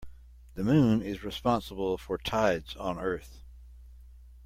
The moon is responsible for tides on earth.